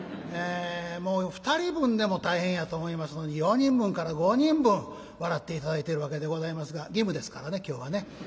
もう２人分でも大変やと思いますのに４人分から５人分笑って頂いてるわけでございますが義務ですからね今日はね。